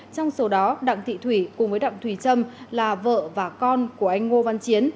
trong số đó đặng thị thủy cùng với đặng thùy trâm là vợ và con của anh ngô văn chiến